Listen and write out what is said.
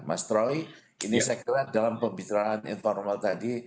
mas troy ini saya kira dalam pembicaraan informal tadi